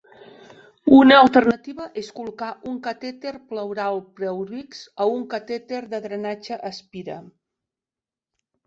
Una alternativa és col·locar un catèter pleural PleurX o un catèter de drenatge Aspira.